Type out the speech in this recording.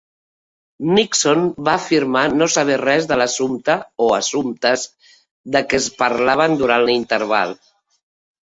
Nixon va afirmar no saber res de l'assumpte o assumptes de què es parlaven durant l'interval.